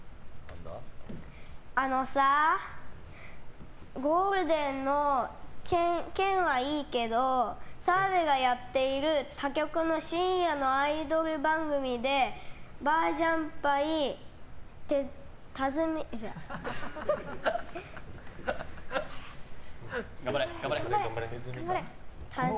あのさゴールデンの件はいいけど澤部がやってる他局の深夜のアイドル番組でマージャン牌たずみあ、違う。